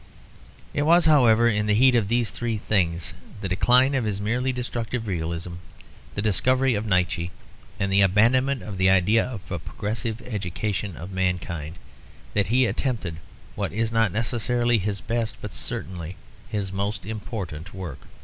It was, however, in the heat of these three things, the decline of his merely destructive realism, the discovery of Nietzsche, and the abandonment of the idea of a progressive education of mankind, that he attempted what is not necessarily his best, but certainly his most important work.